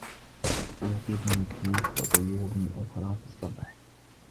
يوقظني الديك وطيور أخرى في الصباح.